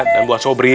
dan buat sobri